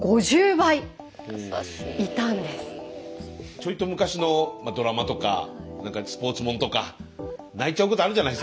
ちょいと昔のドラマとかスポーツもんとか泣いちゃうことあるじゃないですかなんか一人で。